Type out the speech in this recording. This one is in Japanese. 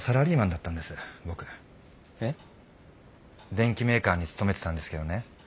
電気メーカーに勤めてたんですけどね